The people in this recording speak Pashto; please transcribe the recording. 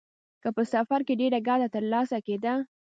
که په سفر کې ډېره ګټه ترلاسه کېده